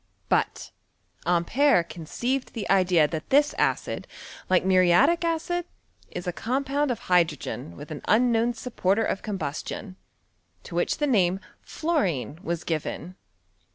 But Ampere conceived the idea that this acid, like muriatic acid, is a com pound of hydrogen with an unknown supporter of combustion, to which the name ^worine was given.